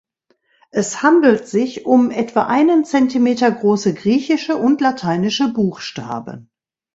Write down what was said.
Es handelt sich um etwa einen Zentimeter große griechische und lateinische Buchstaben.